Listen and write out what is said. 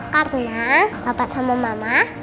karena bapak sama mama